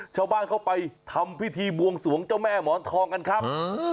ชาวบ้านเข้าไปทำพิธีบวงสวงเจ้าแม่หมอนทองกันครับ